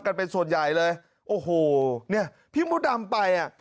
กันเป็นส่วนใหญ่เลยโอ้โหเนี่ยพี่มดดำไปอ่ะ